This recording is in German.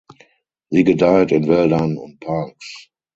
Sie gedeiht in Wäldern und Parks.